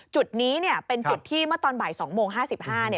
จุดนี้เป็นจุดที่เมื่อตอนบ่าย๒โมง๕๕น